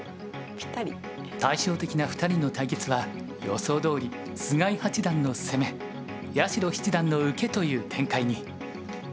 対照的な２人の対決は予想どおり菅井八段の攻め八代七段の受けという展開に。